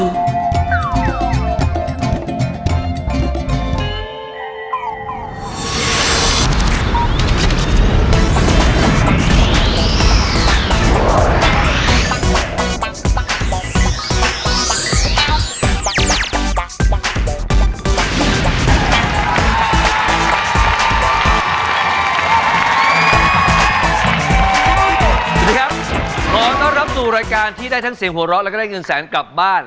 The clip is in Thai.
สวัสดีครับขอต้อนรับสู่รายการที่ได้ทั้งเสียงหัวเราะแล้วก็ได้เงินแสนกลับบ้าน